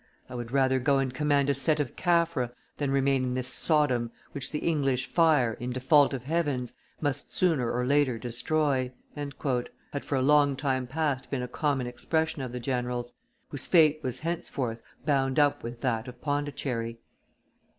"I would rather go and command a set of Caffres than remain in this Sodom, which the English fire, in default of Heaven's, must sooner or later destroy," had for a long time past been a common expression of the general's, whose fate was henceforth bound up with that of Pondicherry.